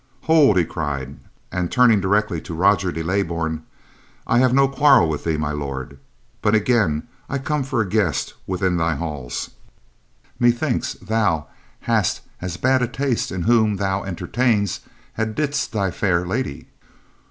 "Hold!" he cried, and, turning directly to Roger de Leybourn, "I have no quarrel with thee, My Lord, but again I come for a guest within thy halls. Methinks thou hast as bad taste in whom thou entertains as didst thy fair lady."